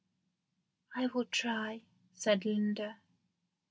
"I will try," said Linda.